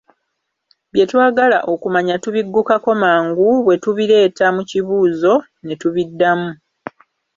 Bye twagala okumanya tubiggukako mangu bwe tubireeta mu kibuuzo ne tubiddamu.